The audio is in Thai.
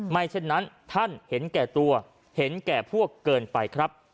เช่นนั้นท่านเห็นแก่ตัวเห็นแก่พวกเกินไปครับ